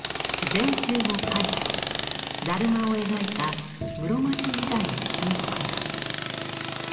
禅宗の開祖達磨を描いた室町時代の水墨画。